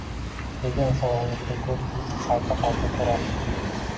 Degan savolni juda ko’pchilik qayta-qayta so’raydi